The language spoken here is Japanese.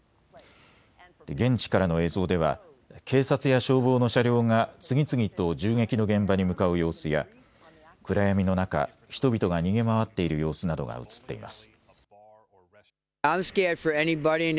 現地からの映像では警察や消防の車両が次々と銃撃の現場に向かう様子や暗闇の中、人々が逃げ回っている様子などが写っています。